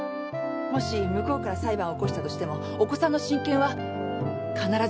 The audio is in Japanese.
もし向こうから裁判を起こしたとしてもお子さんの親権は必ず勝ち取ります。